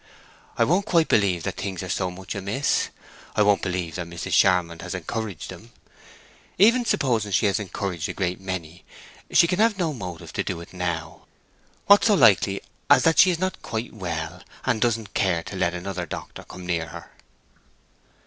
"I won't quite believe that things are so much amiss. I won't believe that Mrs. Charmond has encouraged him. Even supposing she has encouraged a great many, she can have no motive to do it now. What so likely as that she is not yet quite well, and doesn't care to let another doctor come near her?"